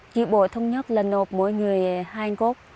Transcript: tri bộ thống nhất là nộp mỗi người hai cốc